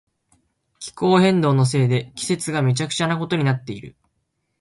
気候変動のせいで季節がめちゃくちゃなことになっている。